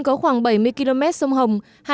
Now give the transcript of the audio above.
có khoảng bảy mươi km sông hồng